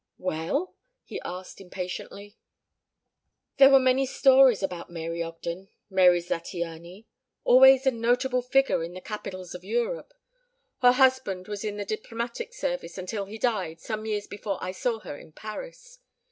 "Well?" he asked impatiently. "There were many stories about Mary Ogden Mary Zattiany always a notable figure in the capitals of Europe. Her husband was in the diplomatic service until he died some years before I saw her in Paris.